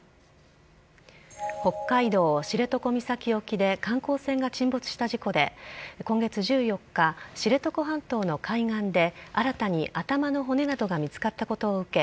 北海道知床岬沖で観光船が沈没した事故で今月１４日、知床半島の海岸で新たに頭の骨などが見つかったことを受け